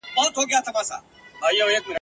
ته چي صبر کوې ټوله مجبوري ده !.